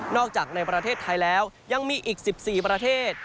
จากในประเทศไทยแล้วยังมีอีก๑๔ประเทศ